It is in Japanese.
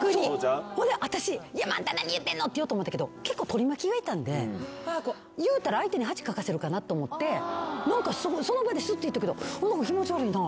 私あんた何言ってんのって言おうと思ったけど結構取り巻きがいたんで言うたら相手に恥かかせるかなと思って何かその場ですっといったけど何か気持ち悪いな。